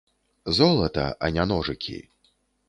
Золата, а не ножыкі.